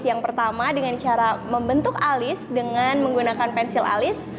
yang pertama dengan cara membentuk alis dengan menggunakan pensil alis